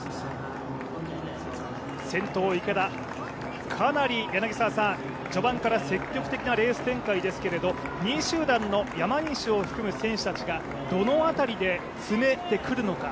先頭池田、かなり序盤から積極的なレース展開ですけど２位集団の山西を含む選手たちがどの辺りで詰めてくるのか。